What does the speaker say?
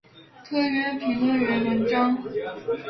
特约评论员文章